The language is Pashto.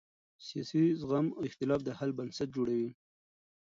سیاسي زغم د اختلاف د حل بنسټ جوړوي